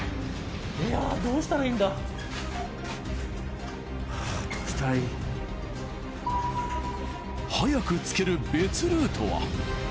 どうしたらいい？早く着ける別ルートは？